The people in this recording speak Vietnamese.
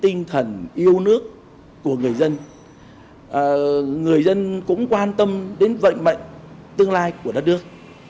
tinh thần yêu nước của người dân người dân cũng quan tâm đến vận mệnh tương lai của đất nước